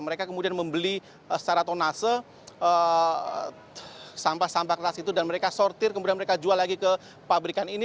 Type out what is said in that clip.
mereka kemudian membeli secara tonase sampah sampah kertas itu dan mereka sortir kemudian mereka jual lagi ke pabrikan ini